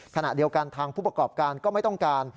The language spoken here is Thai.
ขณะเดียวกันทางผู้ประกอบการก็ไม่ต้องการ